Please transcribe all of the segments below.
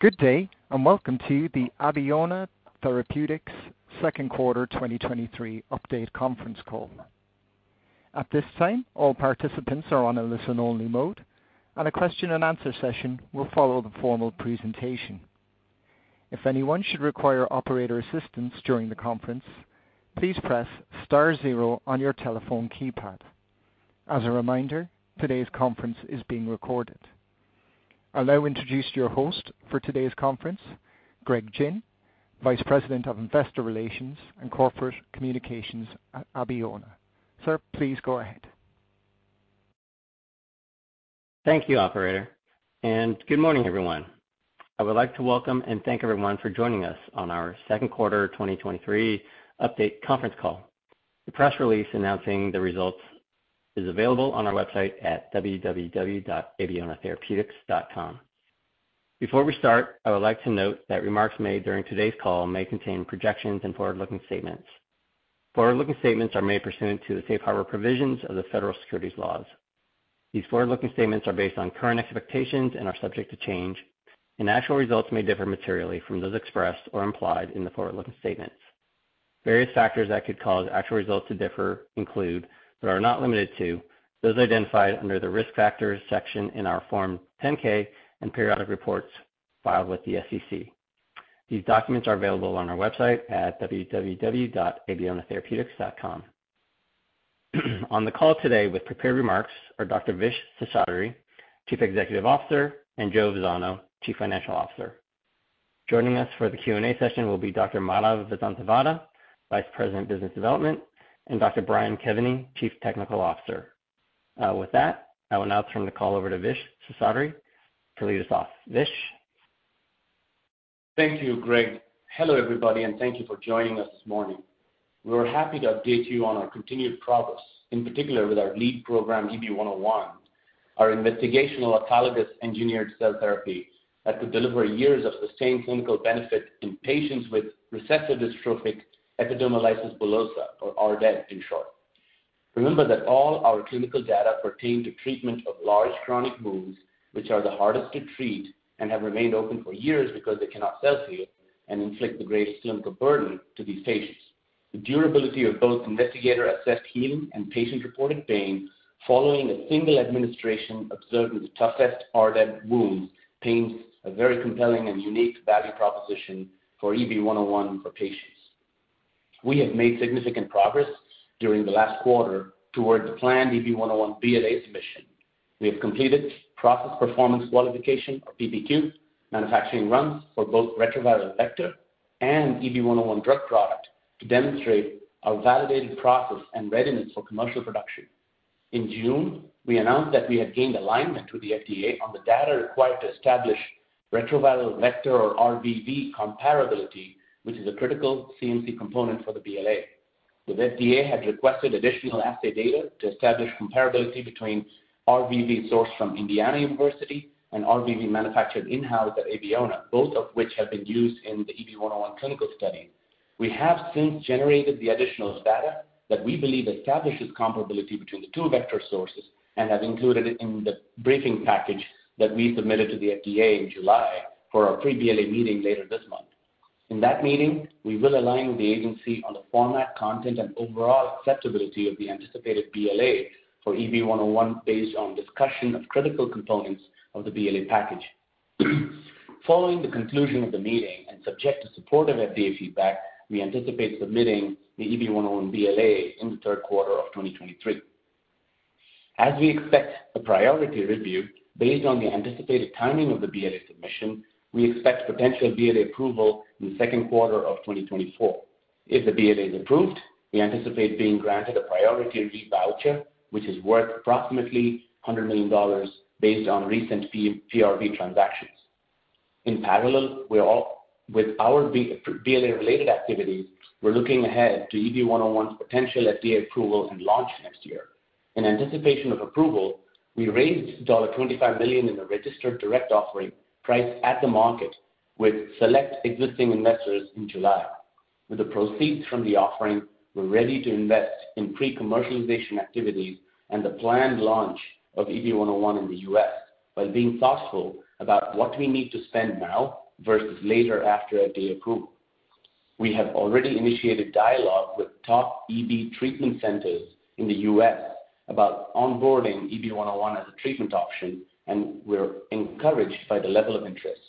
Good day, welcome to the Abeona Therapeutics Second Quarter 2023 Update Conference Call. At this time, all participants are on a listen-only mode, a question-and-answer session will follow the formal presentation. If anyone should require operator assistance during the conference, please press star zero on your telephone keypad. As a reminder, today's conference is being recorded. I'll now introduce your host for today's conference, Greg Gin, Vice President of Investor Relations and Corporate Communications at Abeona. Sir, please go ahead. Thank you, Operator, and good morning, everyone. I would like to welcome and thank everyone for joining us on our second quarter 2023 update conference call. The press release announcing the results is available on our website at www.abeonatherapeutics.com. Before we start, I would like to note that remarks made during today's call may contain projections and forward-looking statements. Forward-looking statements are made pursuant to the safe harbor provisions of the federal securities laws. These forward-looking statements are based on current expectations and are subject to change, and actual results may differ materially from those expressed or implied in the forward-looking statements. Various factors that could cause actual results to differ include, but are not limited to, those identified under the Risk Factors section in our Form 10-K and periodic reports filed with the SEC. These documents are available on our website at www.abeonatherapeutics.com. On the call today with prepared remarks are Dr. Vishwas Seshadri, Chief Executive Officer, and Joseph Vazzano, Chief Financial Officer. Joining us for the Q&A session will be Dr. Madhav Vasanthavada, Vice President, Business Development, and Dr. Brian Kevany, Chief Technical Officer. With that, I will now turn the call over to Vishwas Seshadri to lead us off. Vish? Thank you, Greg. Hello, everybody, and thank you for joining us this morning. We are happy to update you on our continued progress, in particular with our lead program, EB-101, our investigational autologous, engineered cell therapy that could deliver years of sustained clinical benefit in patients with recessive dystrophic epidermolysis bullosa, or RDEB, in short. Remember that all our clinical data pertain to treatment of large chronic wounds, which are the hardest to treat and have remained open for years because they cannot self-heal and inflict the greatest clinical burden to these patients. The durability of both investigator-assessed healing and patient-reported pain following a single administration observed in the toughest RDEB wounds paints a very compelling and unique value proposition for EB-101 for patients. We have made significant progress during the last quarter toward the planned EB-101 BLA submission. We have completed process performance qualification, or PPQ, manufacturing runs for both retroviral vector and EB-101 drug product to demonstrate our validated process and readiness for commercial production. In June, we announced that we had gained alignment with the FDA on the data required to establish retroviral vector, or RVV, comparability, which is a critical CMC component for the BLA. The FDA had requested additional assay data to establish comparability between RVV sourced from Indiana University and RVV manufactured in-house at Abeona, both of which have been used in the EB-101 clinical study. We have since generated the additional data that we believe establishes comparability between the two vector sources and have included it in the briefing package that we submitted to the FDA in July for our pre-BLA meeting later this month. In that meeting, we will align with the agency on the format, content, and overall acceptability of the anticipated BLA for EB-101, based on discussion of critical components of the BLA package. Following the conclusion of the meeting and subject to supportive FDA feedback, we anticipate submitting the EB-101 BLA in the third quarter of 2023. As we expect a priority review based on the anticipated timing of the BLA submission, we expect potential BLA approval in the second quarter of 2024. If the BLA is approved, we anticipate being granted a priority review voucher, which is worth approximately $100 million based on recent PRV transactions. In parallel, with our BLA-related activities, we're looking ahead to EB-101's potential FDA approval and launch next year. In anticipation of approval, we raised $25 million in a registered direct offering priced at the market with select existing investors in July. With the proceeds from the offering, we're ready to invest in pre-commercialization activities and the planned launch of EB-101 in the U.S. by being thoughtful about what we need to spend now versus later after FDA approval. We have already initiated dialogue with top EB treatment centers in the U.S. about onboarding EB-101 as a treatment option, and we're encouraged by the level of interest.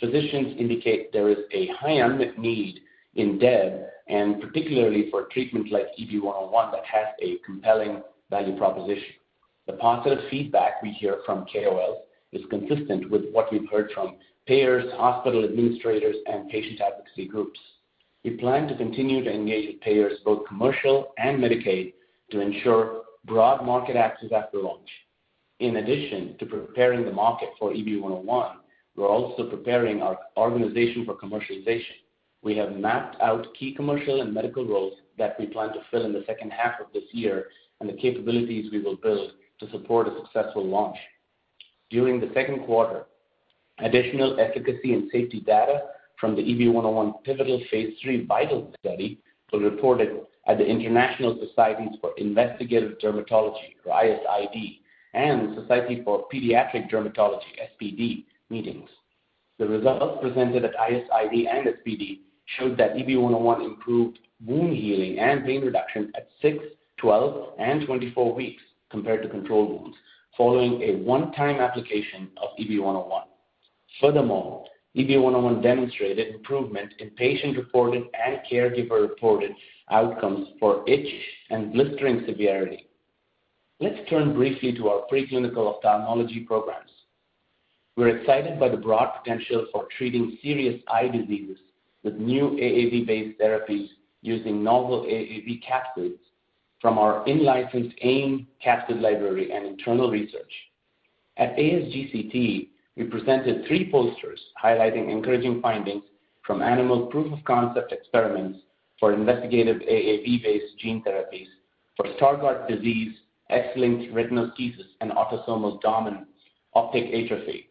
Physicians indicate there is a high unmet need in RDEB, and particularly for treatment like EB-101, that has a compelling value proposition. The positive feedback we hear from KOLs is consistent with what we've heard from payers, hospital administrators, and patient advocacy groups. We plan to continue to engage with payers, both commercial and Medicaid, to ensure broad market access after launch. In addition to preparing the market for EB-101, we're also preparing our organization for commercialization. We have mapped out key commercial and medical roles that we plan to fill in the second half of this year and the capabilities we will build to support a successful launch. During the second quarter, additional efficacy and safety data from the EB-101 pivotal phase III VIITAL study were reported at the International Societies for Investigative Dermatology, or ISID, and the Society for Pediatric Dermatology, SPD, meetings. The results presented at ISID and SPD showed that EB-101 improved wound healing and pain reduction at six, 12, and 24 weeks compared to control wounds, following a 1x application of EB-101. Furthermore, EB-101 demonstrated improvement in patient-reported and caregiver-reported outcomes for itch and blistering severity. Let's turn briefly to our preclinical ophthalmology programs. We're excited by the broad potential for treating serious eye diseases with new AAV-based therapies using novel AAV capsids from our in-licensed AIM capsid library and internal research. At ASGCT, we presented three posters highlighting encouraging findings from animal proof-of-concept experiments for investigative AAV-based gene therapies for Stargardt disease, X-linked retinoschisis, and autosomal dominant optic atrophy.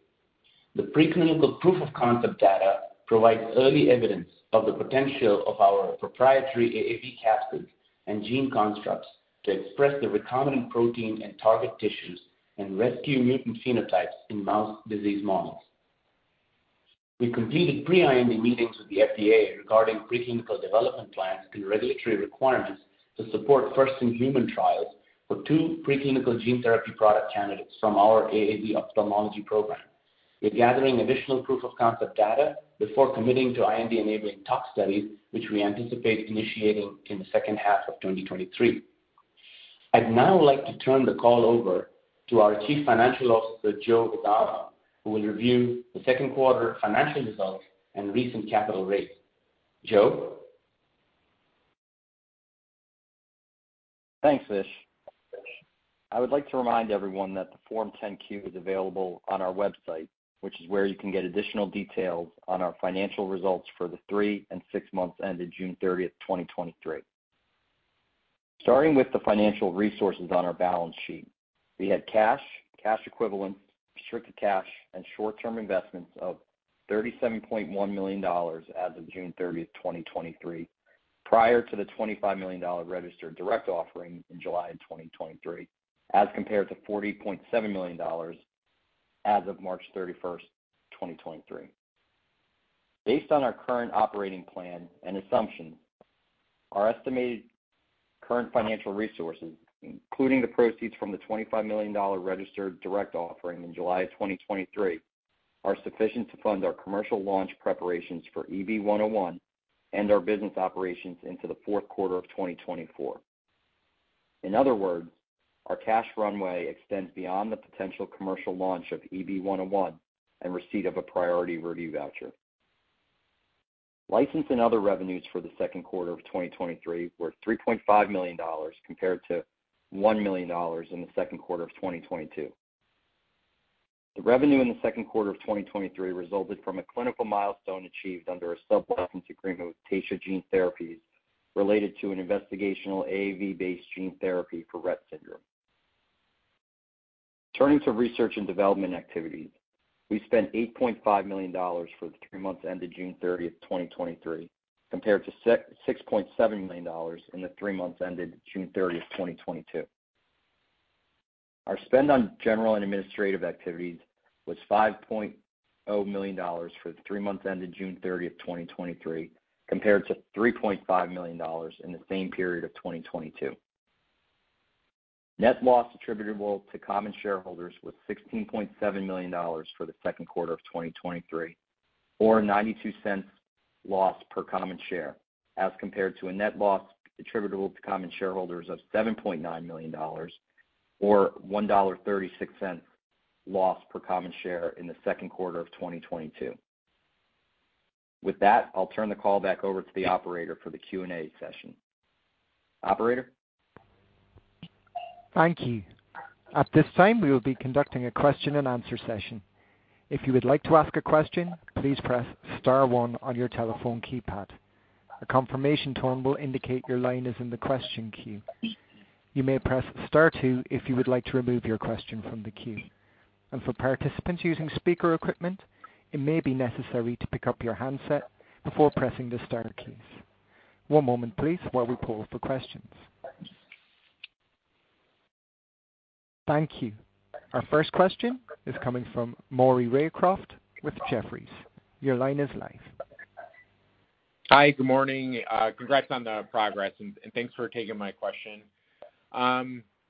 The preclinical proof-of-concept data provides early evidence of the potential of our proprietary AAV capsid and gene constructs to express the recombinant protein and target tissues and rescue mutant phenotypes in mouse disease models. We completed pre-IND meetings with the FDA regarding preclinical development plans and regulatory requirements to support first-in-human trials for two preclinical gene therapy product candidates from our AAV ophthalmology program. We're gathering additional proof-of-concept data before committing to IND-enabling tox studies, which we anticipate initiating in the second half of 2023. I'd now like to turn the call over to our Chief Financial Officer, Joe Vazzano, who will review the second quarter financial results and recent capital raise. Joe? Thanks, Vish. I would like to remind everyone that the Form 10-Q is available on our website, which is where you can get additional details on our financial results for the three and six months ended June 30th, 2023. Starting with the financial resources on our balance sheet, we had cash, cash equivalents, restricted cash, and short-term investments of $37.1 million as of June 30th, 2023, prior to the $25 million registered direct offering in July 2023, as compared to $40.7 million as of March 31st, 2023. Based on our current operating plan and assumptions, our estimated current financial resources, including the proceeds from the $25 million registered direct offering in July 2023, are sufficient to fund our commercial launch preparations for EB-101 and our business operations into the fourth quarter of 2024. In other words, our cash runway extends beyond the potential commercial launch of EB-101 and receipt of a priority review voucher. License and other revenues for the second quarter of 2023 were $3.5 million, compared to $1 million in the second quarter of 2022. The revenue in the second quarter of 2023 resulted from a clinical milestone achieved under a sub-license agreement with Taysha Gene Therapies related to an investigational AAV-based gene therapy for Rett syndrome. Turning to research and development activities, we spent $8.5 million for the three months ended June 30th, 2023, compared to $6.7 million in the three months ended June 30th, 2022. Our spend on general and administrative activities was $5.0 million for the three months ended June 30th, 2023, compared to $3.5 million in the same period of 2022. Net loss attributable to common shareholders was $16.7 million for the second quarter of 2023, or $0.92 loss per common share, as compared to a net loss attributable to common shareholders of $7.9 million, or $1.36 loss per common share in the second quarter of 2022. With that, I'll turn the call back over to the operator for the Q&A session. Operator? Thank you. At this time, we will be conducting a question-and-answer session. If you would like to ask a question, please press star one on your telephone keypad. A confirmation tone will indicate your line is in the question queue. You may press star two if you would like to remove your question from the queue. For participants using speaker equipment, it may be necessary to pick up your handset before pressing the star keys. One moment please, while we poll for questions. Thank you. Our first question is coming from Maury Raycroft with Jefferies. Your line is live. Hi, good morning. Congrats on the progress and thanks for taking my question.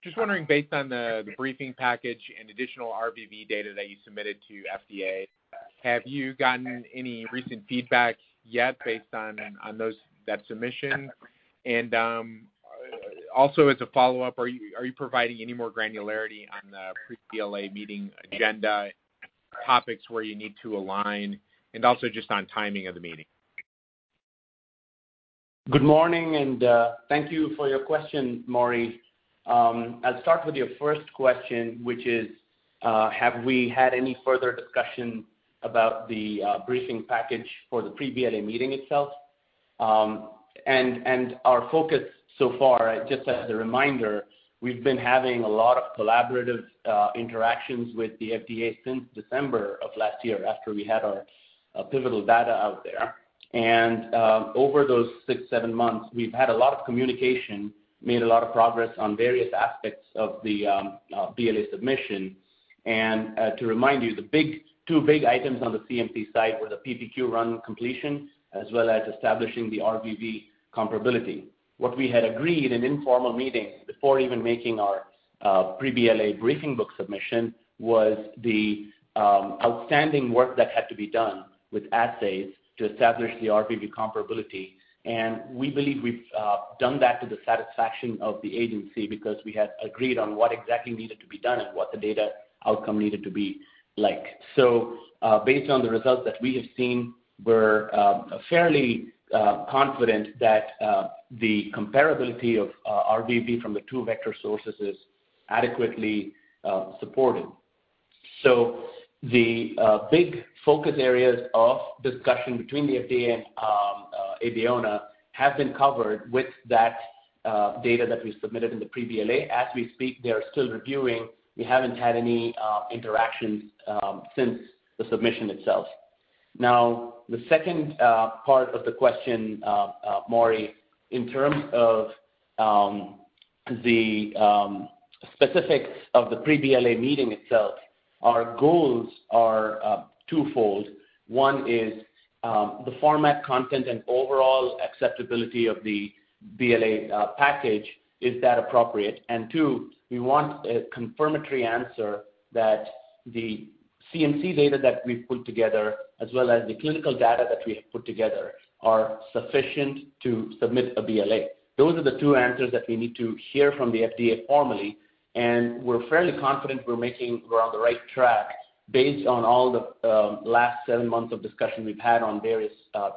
Just wondering, based on the briefing package and additional RVV data that you submitted to FDA, have you gotten any recent feedback yet based on that submission? Also, as a follow-up, are you providing any more granularity on the pre-BLA meeting agenda, topics where you need to align, and also just on timing of the meeting? Good morning, and thank you for your question, Maury. I'll start with your first question, which is, have we had any further discussion about the briefing package for the pre-BLA meeting itself? Our focus so far, just as a reminder, we've been having a lot of collaborative interactions with the FDA since December of last year after we had our pivotal data out there. Over those six, seven months, we've had a lot of communication, made a lot of progress on various aspects of the BLA submission. To remind you, the big, two big items on the CMC side were the PPQ run completion, as well as establishing the RVV comparability. What we had agreed in informal meetings before even making our pre-BLA briefing book submission, was the outstanding work that had to be done with assays to establish the RVV comparability. We believe we've done that to the satisfaction of the agency because we had agreed on what exactly needed to be done and what the data outcome needed to be like. Based on the results that we have seen, we're fairly confident that the comparability of RVV from the two vector sources is adequately supported. The big focus areas of discussion between the FDA and Abeona, have been covered with that data that we submitted in the pre-BLA. As we speak, they are still reviewing. We haven't had any interactions since the submission itself. Now, the second part of the question, Maury, in terms of the specifics of the pre-BLA meeting itself, our goals are twofold. One is, the format, content, and overall acceptability of the BLA package, is that appropriate? Two, we want a confirmatory answer that the CMC data that we've put together, as well as the clinical data that we have put together, are sufficient to submit a BLA. Those are the two answers that we need to hear from the FDA formally, and we're fairly confident we're on the right track based on all the last seven months of discussion we've had on various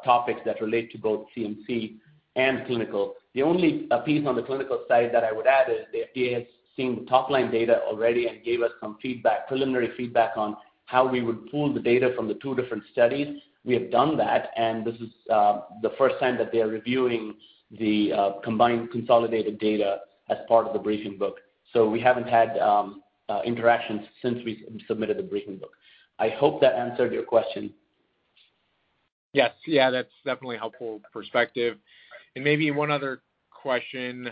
topics that relate to both CMC and clinical. The only piece on the clinical side that I would add is, the FDA has seen the top-line data already and gave us some feedback, preliminary feedback on how we would pool the data from the two different studies. We have done that. This is the first time that they are reviewing the combined consolidated data as part of the briefing book. We haven't had interactions since we submitted the briefing book. I hope that answered your question. Yes. Yeah, that's definitely a helpful perspective. Maybe one other question,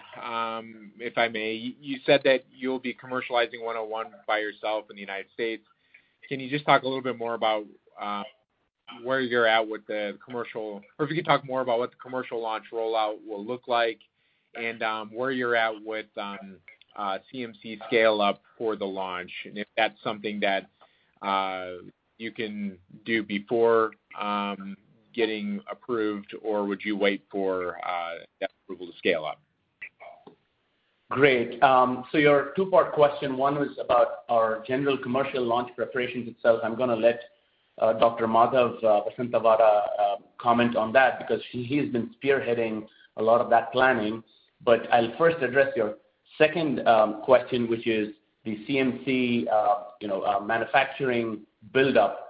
if I may. You said that you'll be commercializing 101 by yourself in the United States. Can you just talk a little bit more about where you're at with the commercial, or if you could talk more about what the commercial launch rollout will look like, and where you're at with CMC scale-up for the launch, and if that's something that you can do before getting approved, or would you wait for that approval to scale up? Great. Your two-part question, one was about our general commercial launch preparations itself. I'm going to let Dr. Madhav Vasanthavada comment on that because he, he has been spearheading a lot of that planning. I'll first address your second question, which is the CMC, you know, manufacturing buildup.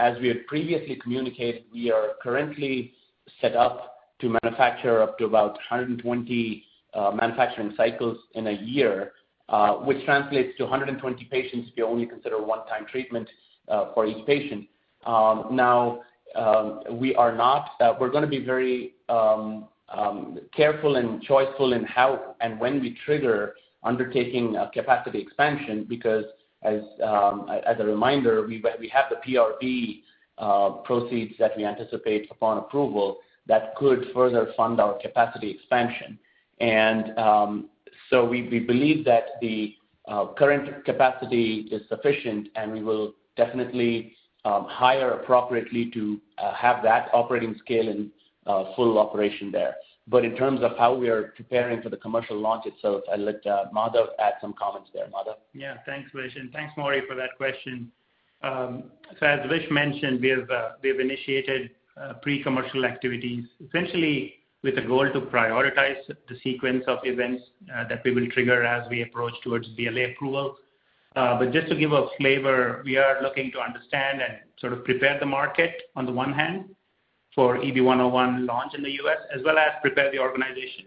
As we had previously communicated, we are currently set up to manufacture up to about 120 manufacturing cycles in a year, which translates to 120 patients, if you only consider a one-time treatment for each patient. Now, we are not... We're going to be very careful and choiceful in how and when we trigger undertaking a capacity expansion, because as a reminder, we have the PRV proceeds that we anticipate upon approval that could further fund our capacity expansion. We believe that the current capacity is sufficient, and we will definitely hire appropriately to have that operating scale and full operation there. In terms of how we are preparing for the commercial launch itself, I'll let Madhav add some comments there. Madhav? Yeah. Thanks, Vish, and thanks, Maury, for that question. As Vish mentioned, we have initiated pre-commercial activities, essentially with a goal to prioritize the sequence of events that we will trigger as we approach towards BLA approval. Just to give a flavor, we are looking to understand and sort of prepare the market on the one hand for EB-101 launch in the U.S., as well as prepare the organization.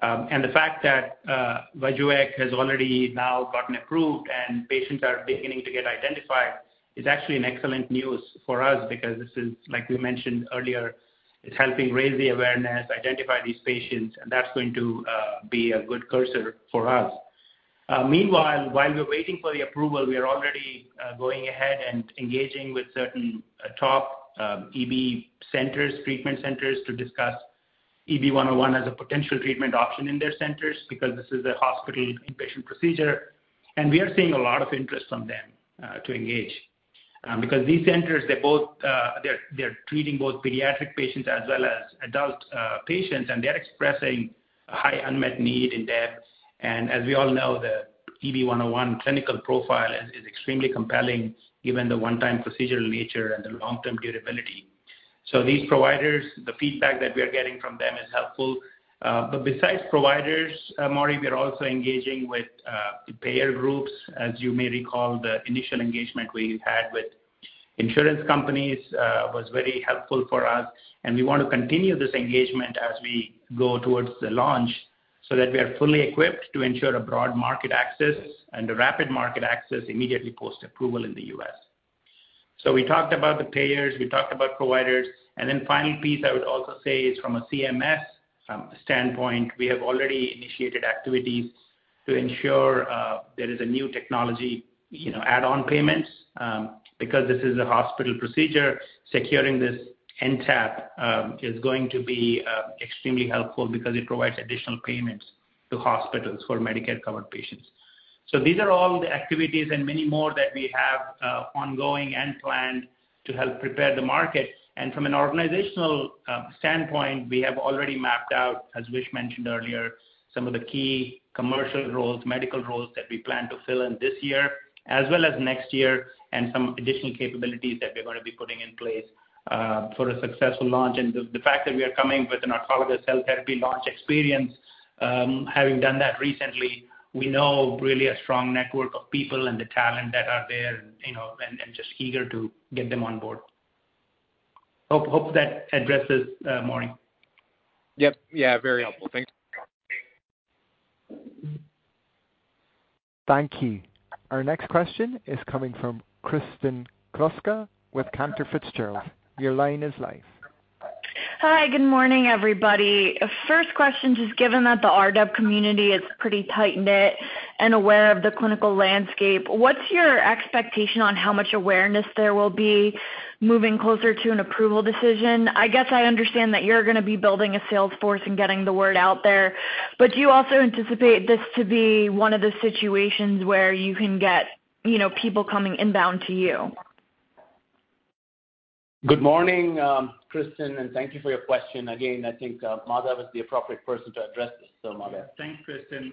The fact that Vyjuvek has already now gotten approved and patients are beginning to get identified, is actually an excellent news for us because this is, like we mentioned earlier, it's helping raise the awareness, identify these patients, and that's going to be a good cursor for us. Meanwhile, while we're waiting for the approval, we are already going ahead and engaging with certain top EB centers, treatment centers, to discuss EB-101 as a potential treatment option in their centers, because this is a hospital inpatient procedure, and we are seeing a lot of interest from them to engage. Because these centers, they're both treating pediatric patients as well as adult patients, and they're expressing a high unmet need in there. As we all know, the EB-101 clinical profile is extremely compelling, given the one-time procedural nature and the long-term durability. These providers, the feedback that we are getting from them is helpful. Besides providers, Maury, we are also engaging with the payer groups. As you may recall, the initial engagement we had with insurance companies was very helpful for us, and we want to continue this engagement as we go towards the launch, so that we are fully equipped to ensure a broad market access and a rapid market access immediately post-approval in the U.S. We talked about the payers, we talked about providers, and then final piece I would also say is from a CMS, from standpoint, we have already initiated activities to ensure there is a New Technology, you know, Add-on payments because this is a hospital procedure. Securing this NTAP is going to be extremely helpful because it provides additional payments to hospitals for Medicare-covered patients. These are all the activities and many more that we have ongoing and planned to help prepare the market. From an organizational standpoint, we have already mapped out, as Vish mentioned earlier, some of the key commercial roles, medical roles that we plan to fill in this year, as well as next year, and some additional capabilities that we're gonna be putting in place for a successful launch. The, the fact that we are coming with an oncologist cell therapy launch experience, having done that recently, we know really a strong network of people and the talent that are there, you know, and, and just eager to get them on board. Hope, hope that addresses Maureen. Yep. Yeah, very helpful. Thanks. Thank you. Our next question is coming from Kristen Kluska with Cantor Fitzgerald. Your line is live. Hi, good morning, everybody. First question, just given that the RDEB community is pretty tight-knit and aware of the clinical landscape, what's your expectation on how much awareness there will be moving closer to an approval decision? I guess I understand that you're gonna be building a sales force and getting the word out there, but do you also anticipate this to be one of the situations where you can get, you know, people coming inbound to you? Good morning, Kristen, and thank you for your question. Again, I think Madhav is the appropriate person to address this. Madhav. Thanks, Kristen.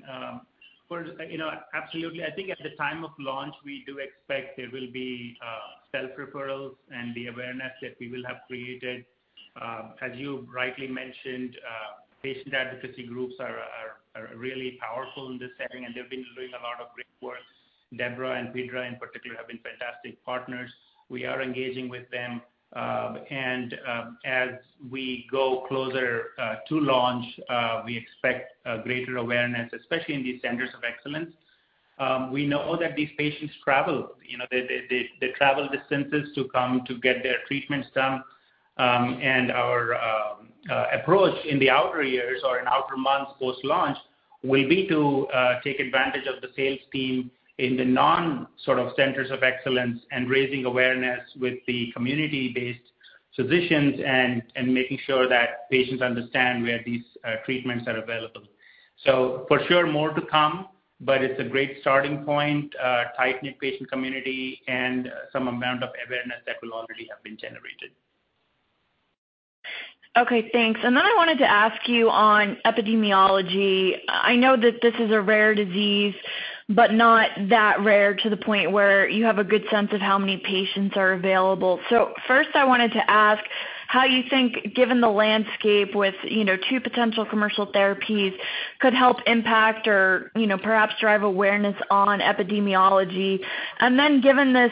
First, you know, absolutely. I think at the time of launch, we do expect there will be self-referrals and the awareness that we will have created. As you rightly mentioned, patient advocacy groups are, are, are really powerful in this setting, and they've been doing a lot of great work. DEBRA and Vidra, in particular, have been fantastic partners. We are engaging with them, and as we go closer to launch, we expect a greater awareness, especially in these centers of excellence. We know that these patients travel, you know, they, they, they travel distances to come to get their treatments done, and our approach in the outer years or in outer months post-launch will be to take advantage of the sales team in the non sort of centers of excellence and raising awareness with the community-based physicians and, and making sure that patients understand where these treatments are available. For sure, more to come, but it's a great starting point, tight-knit patient community and some amount of awareness that will already have been generated. Okay, thanks. Then I wanted to ask you on epidemiology. I know that this is a rare disease, but not that rare to the point where you have a good sense of how many patients are available. First, I wanted to ask how you think, given the landscape with, you know, two potential commercial therapies, could help impact or, you know, perhaps drive awareness on epidemiology. Then given this,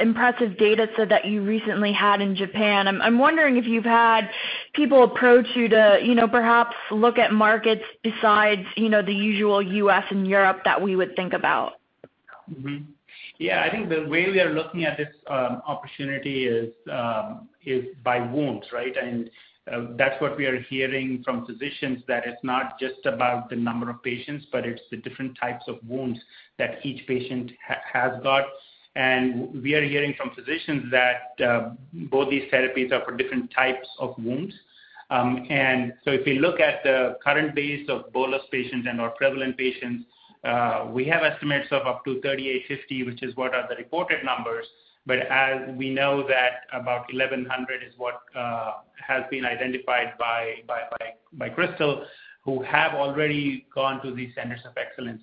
impressive data set that you recently had in Japan, I'm, I'm wondering if you've had people approach you to, you know, perhaps look at markets besides, you know, the usual U.S. and Europe that we would think about. Yeah, I think the way we are looking at this opportunity is is by wounds, right? That's what we are hearing from physicians, that it's not just about the number of patients, but it's the different types of wounds that each patient has got. We are hearing from physicians that both these therapies are for different types of wounds. So if we look at the current base of bolus patients and our prevalent patients, we have estimates of up to 3,850, which is what are the reported numbers. As we know that about 1,100 is what has been identified by Krystal, who have already gone to these centers of excellence.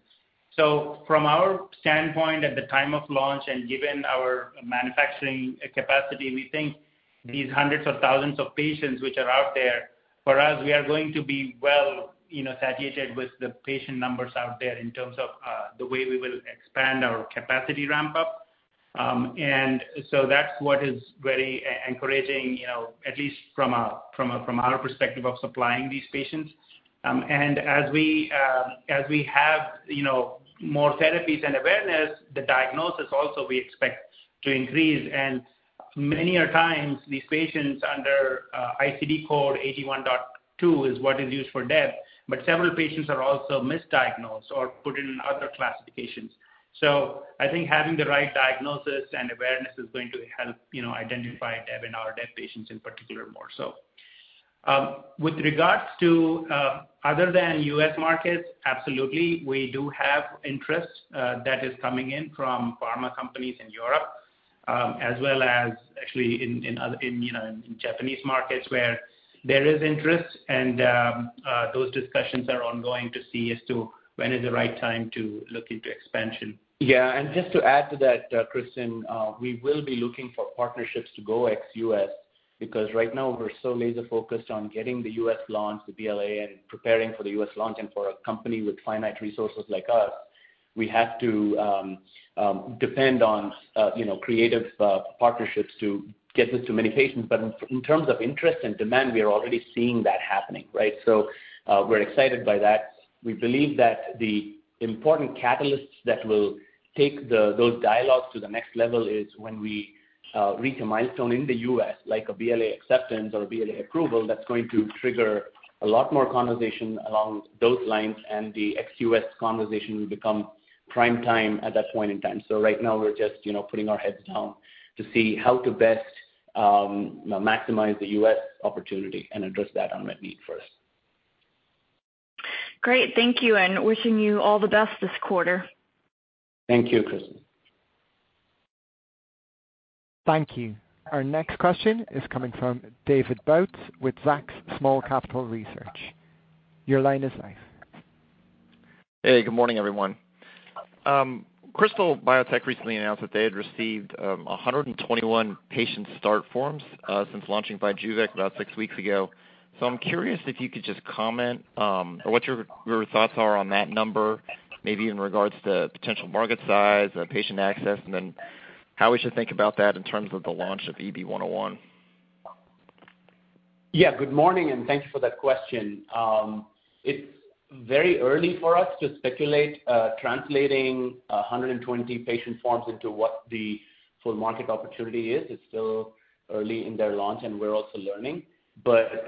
From our standpoint, at the time of launch and given our manufacturing capacity, we think these hundreds of thousands of patients which are out there, for us, we are going to be well, you know, satiated with the patient numbers out there in terms of the way we will expand our capacity ramp up. That's what is very encouraging, you know, at least from our perspective of supplying these patients. As we have, you know, more therapies and awareness, the diagnosis also we expect to increase. Many are times these patients under ICD code Q81.2 is what is used for death, but several patients are also misdiagnosed or put in other classifications. I think having the right diagnosis and awareness is going to help, you know, identify DEB and our DEB patients in particular more so. With regards to other than U.S. markets, absolutely, we do have interest that is coming in from pharma companies in Europe, as well as actually in other, in Japanese markets where there is interest, and those discussions are ongoing to see as to when is the right time to look into expansion. Just to add to that, Kristen, we will be looking for partnerships to go ex-U.S.... Because right now, we're so laser focused on getting the U.S. launch, the BLA, and preparing for the U.S. launch. For a company with finite resources like us, we have to depend on, you know, creative partnerships to get this to many patients. In, in terms of interest and demand, we are already seeing that happening, right? We're excited by that. We believe that the important catalysts that will take the, those dialogues to the next level is when we reach a milestone in the U.S., like a BLA acceptance or a BLA approval, that's going to trigger a lot more conversation along those lines, and the ex-U.S. conversation will become prime time at that point in time. Right now, we're just, you know, putting our heads down to see how to best maximize the U.S. opportunity and address that unmet need first. Great, thank you. Wishing you all the best this quarter. Thank you, Kristen. Thank you. Our next question is coming from David Bautz with Zacks Small Cap Research. Your line is live. Hey, good morning, everyone. Krystal Biotech recently announced that they had received 121 patient start forms since launching Vyjuvek about six weeks ago. So I'm curious if you could just comment, or what your, your thoughts are on that number, maybe in regards to potential market size, patient access, and then how we should think about that in terms of the launch of EB-101. Yeah, good morning, and thank you for that question. It's very early for us to speculate, translating 120 patient forms into what the full market opportunity is. It's still early in their launch, and we're also learning.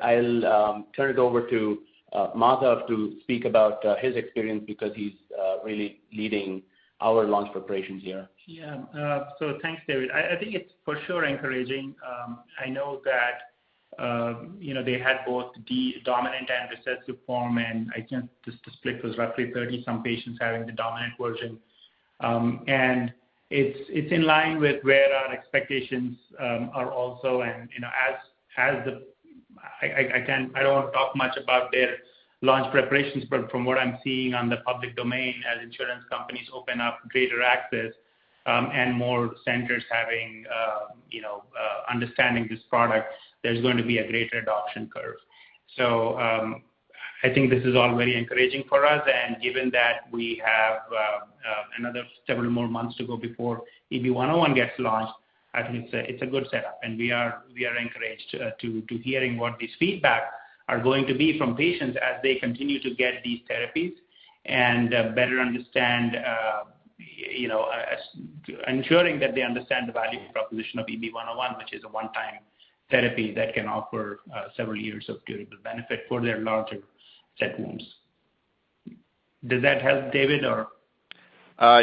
I'll turn it over to Madhav to speak about his experience because he's really leading our launch preparations here. Yeah, so thanks, David. I, I think it's for sure encouraging. I know that, you know, they had both the dominant and recessive form, and just the split was roughly 30-some patients having the dominant version. And it's, it's in line with where our expectations are also and, you know, I don't want to talk much about their launch preparations, but from what I'm seeing on the public domain, as insurance companies open up greater access, and more centers having, you know, understanding this product, there's going to be a greater adoption curve. I think this is all very encouraging for us. Given that we have another several more months to go before EB-101 gets launched, I think it's a, it's a good setup, and we are, we are encouraged to hearing what these feedback are going to be from patients as they continue to get these therapies and better understand, you know, as ensuring that they understand the value proposition of EB-101, which is a one-time therapy that can offer several years of durable benefit for their larger segments. Does that help, David, or?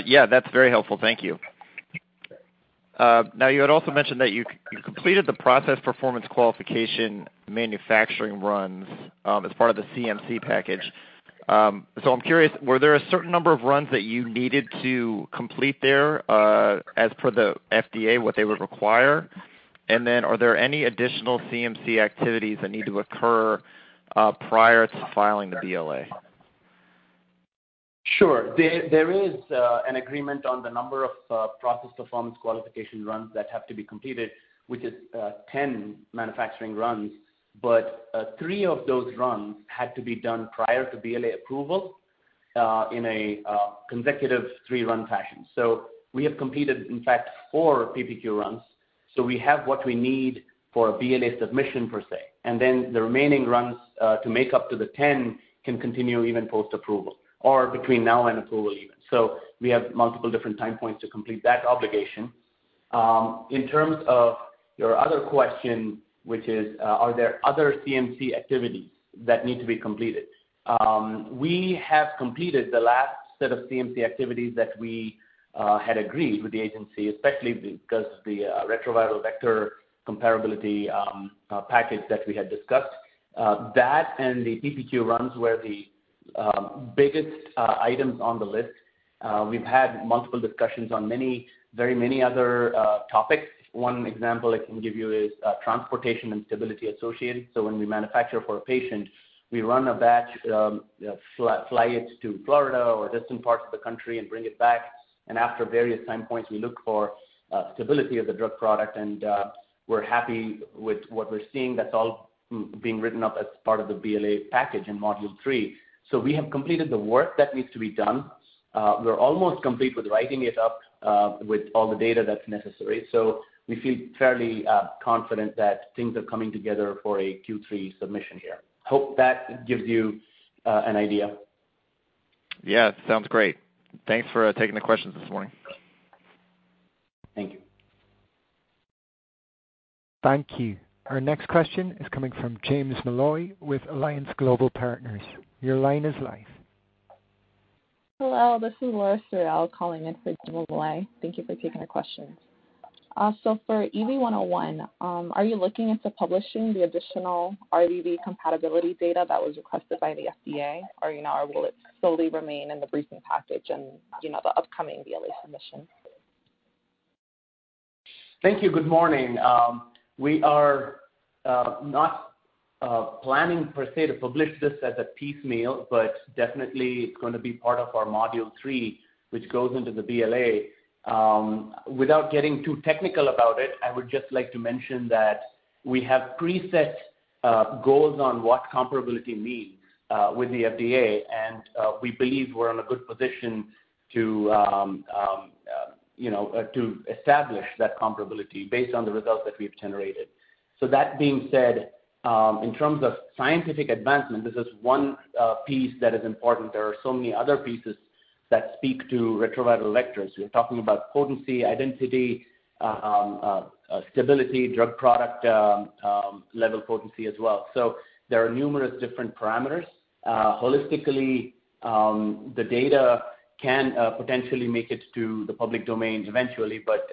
Yeah, that's very helpful. Thank you. Now, you had also mentioned that you c- you completed the process performance qualification manufacturing runs, as part of the CMC package. So I'm curious, were there a certain number of runs that you needed to complete there, as per the FDA, what they would require? Are there any additional CMC activities that need to occur, prior to filing the BLA? Sure. There, there is an agreement on the number of process performance qualification runs that have to be completed, which is 10 manufacturing runs. Three of those runs had to be done prior to BLA approval in a consecutive three-run fashion. We have completed, in fact, four PPQ runs, so we have what we need for a BLA submission per se. The remaining runs to make up to the 10 can continue even post-approval or between now and approval even. We have multiple different time points to complete that obligation. In terms of your other question, which is, are there other CMC activities that need to be completed? We have completed the last set of CMC activities that we had agreed with the agency, especially because the retroviral vector comparability package that we had discussed. That and the PPQ runs were the biggest items on the list. We've had multiple discussions on many, very many other topics. One example I can give you is transportation and stability associated. When we manufacture for a patient, we run a batch, fly, fly it to Florida or distant parts of the country and bring it back. After various time points, we look for stability of the drug product, and we're happy with what we're seeing. That's all being written up as part of the BLA package in Module 3. We have completed the work that needs to be done. We're almost complete with writing it up, with all the data that's necessary. We feel fairly, confident that things are coming together for a Q3 submission here. Hope that gives you an idea. Yeah, sounds great. Thanks for taking the questions this morning. Thank you. Thank you. Our next question is coming from James Molloy with Alliance Global Partners. Your line is live. Hello, this is Laura Suriel calling in for James Molloy. Thank you for taking the questions. For EB-101, are you looking into publishing the additional RVV compatibility data that was requested by the FDA, or, you know, or will it solely remain in the briefing package and, you know, the upcoming BLA submission? Thank you. Good morning. We are planning per se to publish this as a piecemeal, but definitely it's going to be part of our Module 3, which goes into the BLA. Without getting too technical about it, I would just like to mention that we have preset goals on what comparability means with the FDA, and we believe we're in a good position to, you know, to establish that comparability based on the results that we've generated. That being said, in terms of scientific advancement, this is one piece that is important. There are so many other pieces that speak to retroviral vectors. We're talking about potency, identity, stability, drug product, level potency as well. There are numerous different parameters. Holistically, the data can potentially make it to the public domain eventually, but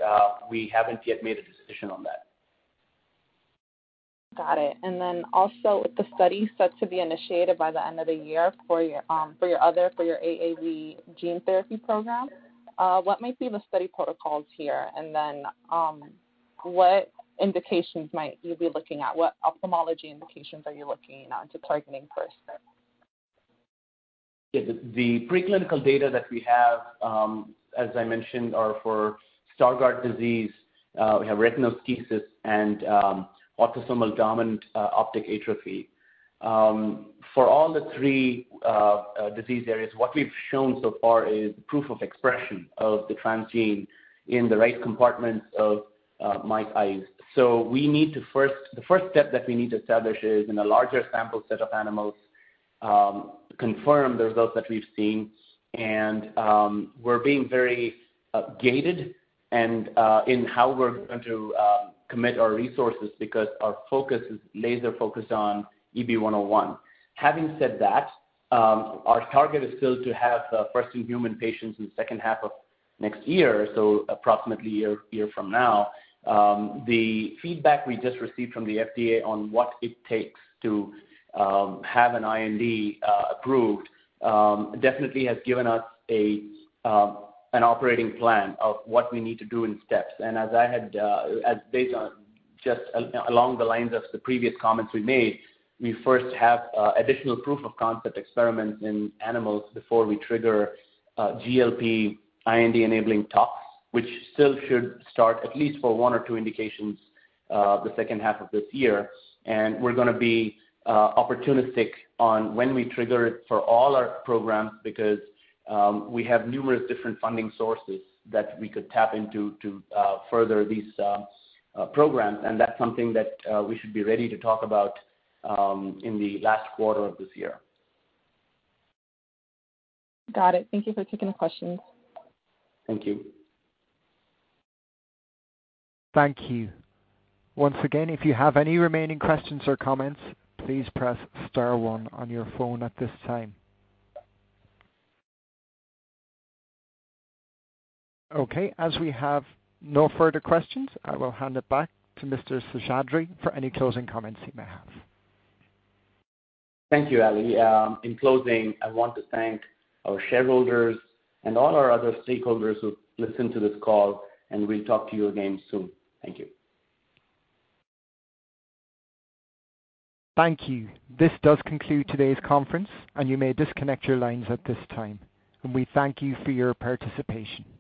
we haven't yet made a decision on that. Got it. Then also, with the study set to be initiated by the end of the year for your, for your other, for your AAV gene therapy program, what might be the study protocols here? Then, what indications might you be looking at? What ophthalmology indications are you looking on to targeting first? Yeah, the, the preclinical data that we have, as I mentioned, are for Stargardt disease, we have retinoschisis and autosomal dominant optic atrophy. For all the three disease areas, what we've shown so far is proof of expression of the transgene in the right compartments of mice eyes. We need to first - the first step that we need to establish is, in a larger sample set of animals, confirm the results that we've seen. We're being very gated and in how we're going to commit our resources, because our focus is laser focused on EB-101. Having said that, our target is still to have first in human patients in the second half of next year, so approximately a year, a year from now. The feedback we just received from the FDA on what it takes to have an IND approved definitely has given us an operating plan of what we need to do in steps. As I had, as based on just along the lines of the previous comments we made, we first have additional proof of concept experiments in animals before we trigger GLP IND-enabling tox, which still should start at least for one or two indications, the second half of this year. We're gonna be opportunistic on when we trigger it for all our programs, because we have numerous different funding sources that we could tap into to further these programs. That's something that we should be ready to talk about in the last quarter of this year. Got it. Thank you for taking the questions. Thank you. Thank you. Once again, if you have any remaining questions or comments, please press star one on your phone at this time. As we have no further questions, I will hand it back to Mr. Seshadri for any closing comments he may have. Thank you, Ali. In closing, I want to thank our shareholders and all our other stakeholders who listened to this call, and we'll talk to you again soon. Thank you. Thank you. This does conclude today's conference, you may disconnect your lines at this time. We thank you for your participation.